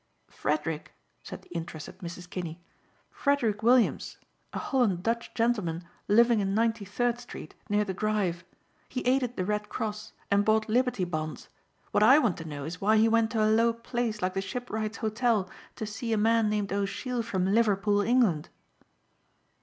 "Frederick," said the interested Mrs. Kinney. "Frederick Williams, a Holland Dutch gentleman living in Ninety third Street near the Drive. He aided the Red Cross and bought Liberty Bonds. What I want to know is why he went to a low place like the Shipwrights Hotel to see a man named O'Sheill from Liverpool, England?"